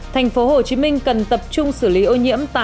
thành phố hồ chí minh cần tập trung xử lý ô nhiễm tại con tôm